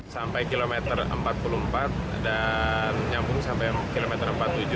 sampai kilometer empat puluh empat dan nyambung sampai kilometer empat puluh tujuh